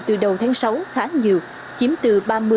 từ đầu tháng sáu khá nhiều chiếm từ ba mươi bốn mươi